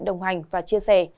đồng hành và chia sẻ